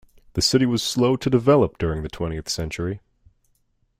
The city was slow to develop during the twentieth century.